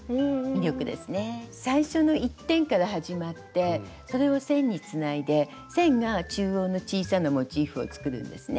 最初の一点から始まってそれを線につないで線が中央の小さなモチーフを作るんですね。